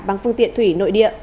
bằng phương tiện thủy nội địa